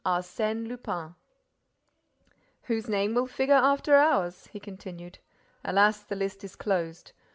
ARSÈNE LUPIN "Whose name will figure after ours?" he continued. "Alas, the list is closed!